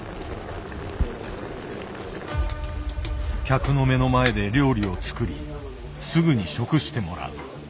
客の目の前で料理を作りすぐに食してもらう。